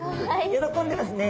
喜んでますね。